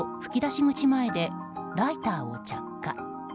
口前でライターを着火。